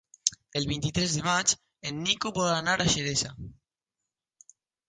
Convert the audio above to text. El vint-i-tres de maig en Nico vol anar a Xeresa.